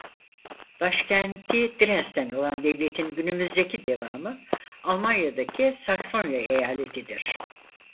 Başkenti Dresden olan devletin günümüzdeki devamı Almanya'daki Saksonya eyaletidir.